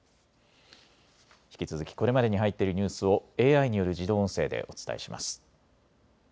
引き続きこれまでに入っているニュースをＡＩによる自動音声でお伝えします。